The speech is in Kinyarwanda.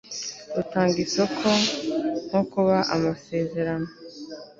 rutanga isoko nko kuba amasezerano